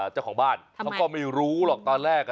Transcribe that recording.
เจ้าของบ้านเขาก็ไม่รู้หรอกตอนแรก